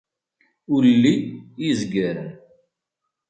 Ulli, izgaren.